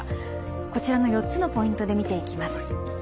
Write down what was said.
こちらの４つのポイントで見ていきます。